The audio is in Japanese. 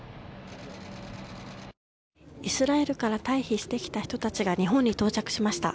イスラエルから退避してきた人たちが日本に到着しました。